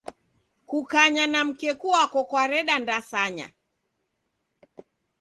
Kukanya na mkeku wako kwareda ndasanya.